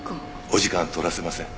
お時間取らせません。